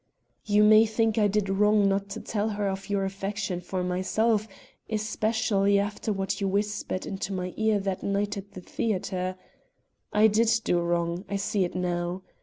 "You may think I did wrong not to tell her of your affection for myself, especially, after what you whispered into my ear that night at the theater. I did do wrong; I see it now.